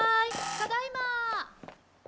ただいま！